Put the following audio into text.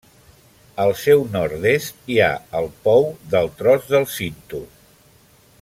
Al seu nord-est hi ha el Pou del Tros del Cinto.